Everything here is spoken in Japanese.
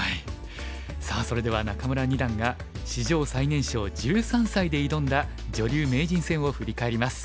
さあそれでは仲邑二段が史上最年少１３歳で挑んだ女流名人戦を振り返ります。